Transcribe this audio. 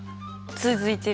続いてる。